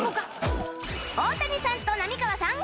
大谷さんと浪川さん